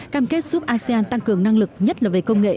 cam kết giúp asean tăng cường năng lực nhất là về công nghệ